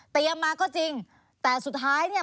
เตรียมมาก็จริงแต่สุดท้ายเนี่ย